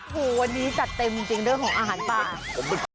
โอ้โหวันนี้จัดเต็มจริงเรื่องของอาหารป่า